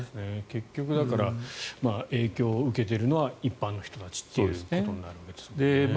結局影響を受けているのは一般の人たちということになるわけですよね。